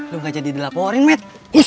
lu gak jadi dilaporin med